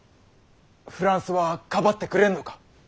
フランスはかばってくれぬのか？